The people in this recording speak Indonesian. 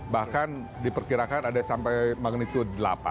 bahkan diperkirakan ada sampai magnitude delapan